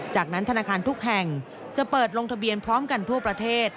จากนั้นธนาคารทุกแห่งจะเปิดลงทะเบียนพร้อมกันทั่วประเทศ